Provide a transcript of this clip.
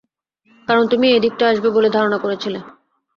কারণ তুমি এই দিনটা আসবে বলে ধারণা করেছিলে।